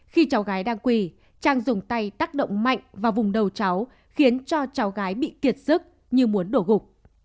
khi cháu gái đang quỳ trang dùng tay tác động mạnh vào vùng đầu cháu khiến cho cháu gái bị kiệt sức như muốn đổ gục